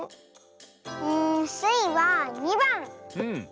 うんスイは２ばん！